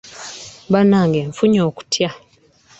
Bannange nfunye okutya